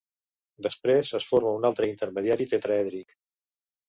Després es forma un altre intermediari tetraèdric.